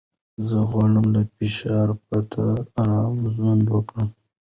زه غواړم له فشار پرته ارامه ژوند وکړم.